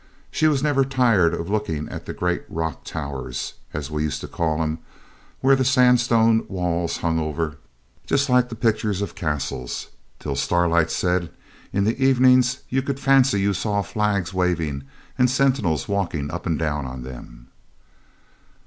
She was never tired of looking at the great rock towers, as we used to call 'em, where the sandstone walls hung over, just like the pictures of castles, till, Starlight said, in the evenings you could fancy you saw flags waving and sentinels walking up and down on them.